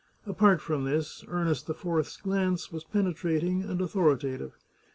Apart from this, Ernest IV's glance was penetrating and authoritative.